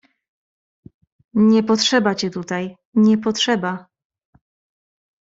"Nie potrzeba cię tutaj, nie potrzeba!"